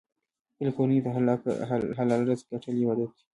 خپلې کورنۍ ته حلال رزق ګټل عبادت دی.